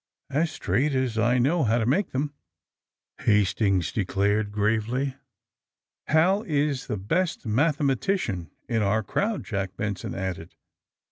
*'As straight as I know how to make them," Hastings declared gravely. ^' Hal is the best mathematician in our crowd, " Jack Benson added.